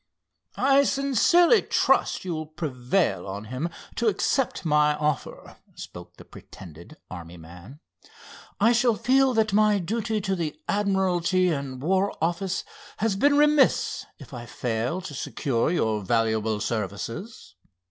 "I sincerely trust you will prevail on him to accept my offer," spoke the pretended army man. "I shall feel that my duty to the admiralty and war office has been remiss if I fail to secure your valuable services.